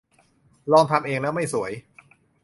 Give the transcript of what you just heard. ลองทำเองแล้วไม่สวย